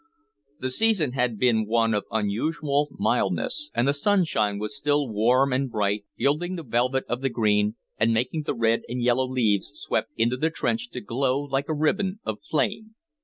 The season had been one of unusual mildness, and the sunshine was still warm and bright, gilding the velvet of the green, and making the red and yellow leaves swept into the trench to glow like a ribbon of flame.